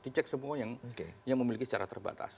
dicek semua yang memiliki secara terbatas